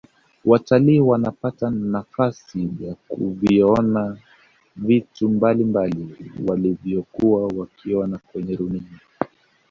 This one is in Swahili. watalii wanapata nafasi ya kuviona vitu mbalimbali walivyokuwa wakiona kwenye runinga